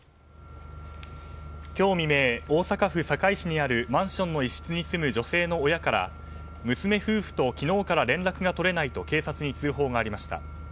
今日未明、大阪府堺市にあるマンションに一室に住む女性の親から娘夫婦と昨日から連絡が取れないと警察に通報がありました。